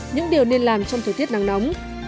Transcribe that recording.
những điều nên làm trong thời tiết nắng nóng